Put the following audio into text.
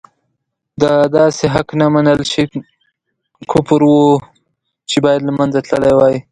د داسې حق نه منل شين کفر وو چې باید له منځه تللی وای.